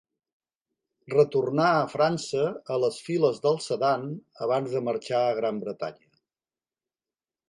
Retornà a França a les files del Sedan abans de marxar a Gran Bretanya.